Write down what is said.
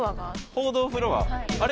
報道フロア？あれ？